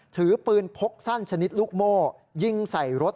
ถือปืนพกสั้นชนิดลูกโม่ยิงใส่รถ